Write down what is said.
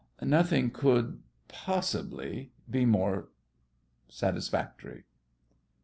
Nothing could possibly be more satisfactory!